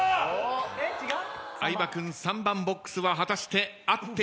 相葉君３番ボックスは果たして合っているのか？